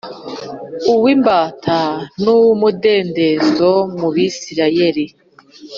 uw’imbata n’uw’umudendezo mu Bisirayeli